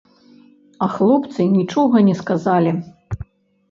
А хлопцы нічога не сказалі.